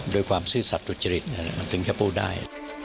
ด้วยความซื่อสัตว์จริงถึงจะพูดได้